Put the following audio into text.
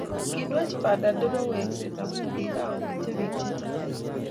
Kinwach banda nepo wekset amu kikangetio bik che chang